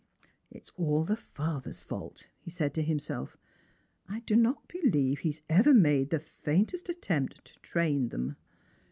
"It is all the father's fault," he said to himself; "I do not believe he has ever made the faintest attempt to train them."